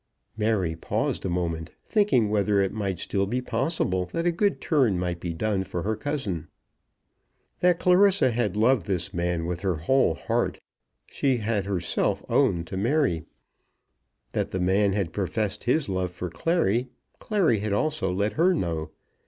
Mary paused a moment, thinking whether it might still be possible that a good turn might be done for her cousin. That Clarissa had loved this man with her whole heart she had herself owned to Mary. That the man had professed his love for Clary, Clary had also let her know.